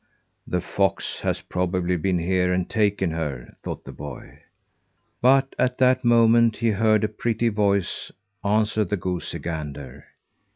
"The fox has probably been here and taken her," thought the boy. But at that moment he heard a pretty voice answer the goosey gander.